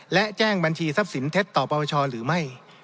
และแจ้งบัญชีทรัพย์สินทรัพย์ต่อประประชาหรือไม่